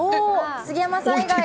杉山さん以外。